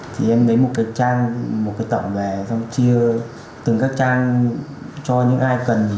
thì em lấy một cái trang một cái tổng về chia từng các trang cho những ai cần